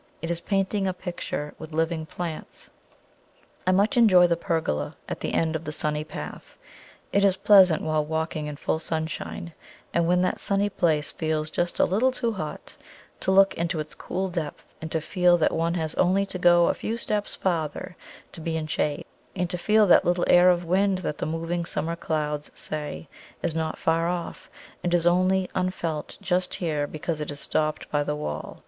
It is painting a picture with living plants. I much enjoy the pergola at the end of the sunny path. It is pleasant while walking in full sunshine, and when that sunny place feels just a little too hot, to look into its cool depth, and to feel that one has only to go a few steps farther to be in shade, and to feel that little air of wind that the moving summer clouds say is not far off, and is only unfelt just here because it is stopped by the wall.